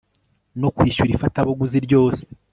no kwishyura ifatabuguzi ryose